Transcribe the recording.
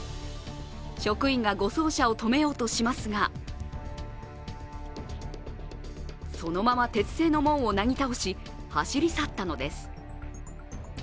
職員が護送車を止めようとしますがそのまま鉄製の門をなぎ倒し、走り去ったのです。